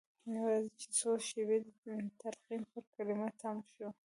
نو راځئ چې څو شېبې د تلقين پر کلمه تم شو.